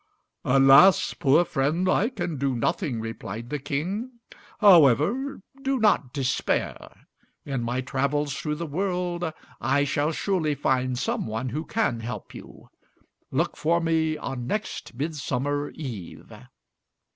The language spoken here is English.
"Alas, poor friend, I can do nothing," replied the King. "However, do not despair. In my travels through the world, I shall surely find someone who can help you. Look for me on next Midsummer Eve."